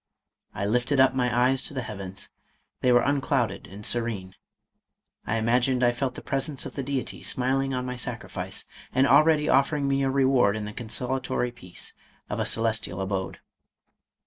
I lifted up my eyes to the heavens ; they were unclouded and serene. I imagined I felt the presence of the Deity smiling on my sacrifice, and already offering me a reward in the consolatory peace of a celestial abode.